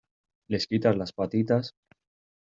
les quitas las patitas...